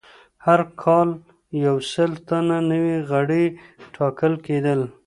هر کال یو سل تنه نوي غړي ټاکل کېدل